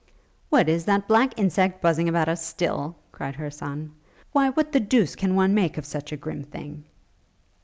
'What, is that black insect buzzing about us still?' cried her son, 'Why what the deuce can one make of such a grim thing?'